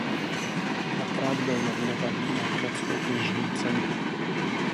Dvakrát byl nominovaný na Německou knižní cenu.